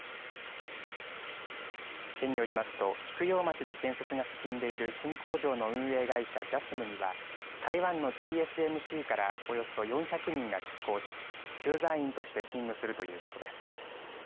県によりますと菊陽町で建設が進んでいる新工場の運営会社ＪＡＳＭには台湾のＴＳＭＣからおよそ４００人が出向し駐在員として勤務するということです。